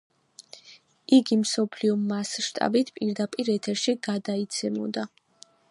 იგი მსოფლიო მასშტაბით პირდაპირ ეთერში გადაიცემოდა.